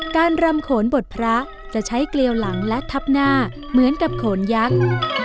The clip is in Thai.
รำโขนบทพระจะใช้เกลียวหลังและทับหน้าเหมือนกับโขนยักษ์